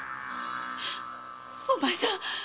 お前さん